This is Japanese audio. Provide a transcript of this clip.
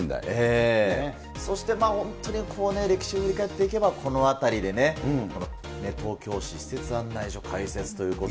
そして本当に歴史を振り返っていけば、このあたりでね、東京市施設案内所開設ということで。